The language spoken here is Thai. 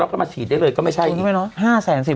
เราก็มาฉีดได้เลยก็ไม่ใช่นี่